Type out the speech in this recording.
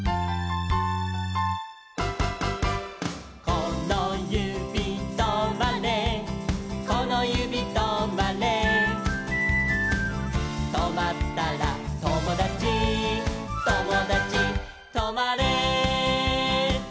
「このゆびとまれこのゆびとまれ」「とまったらともだちともだちとまれ」